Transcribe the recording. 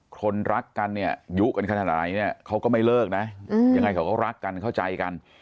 คนรักกันเนี่ยยุกันขนาดไหนเนี่ยเขาก็ไม่เลิกนะยังไงเขาก็รักกันเข้าใจกัน